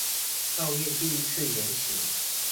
奧運第一次延期